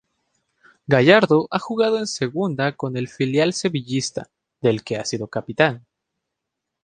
Gallardo ha jugado en Segunda con el filial sevillista, del que ha sido capitán.